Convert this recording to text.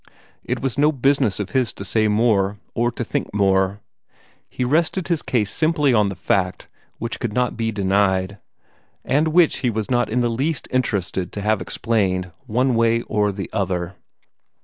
It was no business of his to say more, or to think more. He rested his case simply on the fact, which could not be denied, and which he was not in the least interested to have explained, one way or the other.